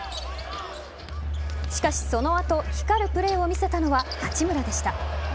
しかしその後光るプレーを見せたのは八村でした。